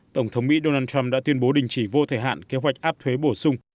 tổng thống mỹ donald trump đã tuyên bố đình chỉ vô thời hạn kế hoạch áp thuế bổ sung